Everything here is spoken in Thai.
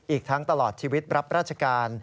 อีกทั้งตลอดชีวิตรับราชการ